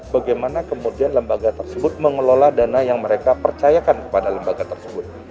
bagaimana kemudian lembaga tersebut mengelola dana yang mereka percayakan kepada lembaga tersebut